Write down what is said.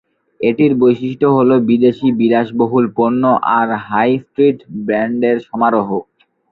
এটির বৈশিষ্ট্য হল বিদেশী বিলাসবহুল পণ্য আর হাই-স্ট্রিট ব্র্যান্ডের সমারোহ।